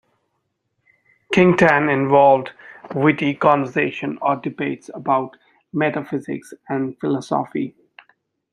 Qingtan involved witty conversation or debates about metaphysics and philosophy.